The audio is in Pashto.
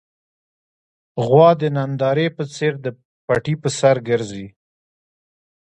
غوا د نندارې په څېر د پټي پر سر ګرځي.